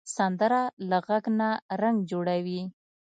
سندره له غږ نه رنګ جوړوي